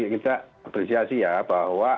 kita apresiasi ya bahwa